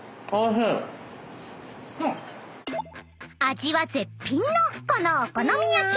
［味は絶品のこのお好み焼き］